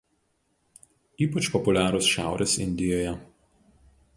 Ypač populiarūs Šiaurės Indijoje.